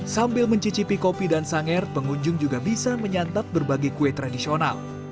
sambil mencicipi kopi dan sanger pengunjung juga bisa menyantap berbagai kue tradisional